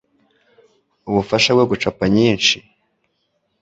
ubufasha bwo gucapa nyinshi,